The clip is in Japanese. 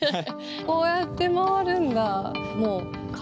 こうやって回るんだ。